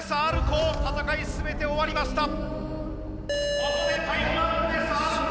Ｒコー戦い全て終わりました。